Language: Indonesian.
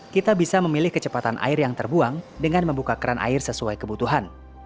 kita bisa memilih kecepatan air yang terbuang dengan membuka keran air sesuai kebutuhan